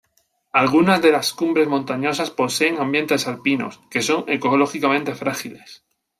Algunas de las cumbres montañosas poseen ambientes alpinos, que son ecológicamente frágiles.